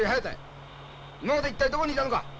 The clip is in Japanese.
今まで一体どこにいたのか！